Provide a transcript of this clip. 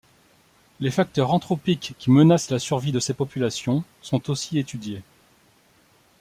Les facteurs anthropiques qui menacent la survie de ces populations sont aussi étudiés.